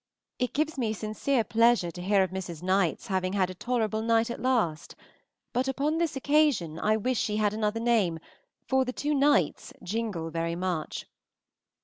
It gives me sincere pleasure to hear of Mrs. Knight's having had a tolerable night at last, but upon this occasion I wish she had another name, for the two nights jingle very much.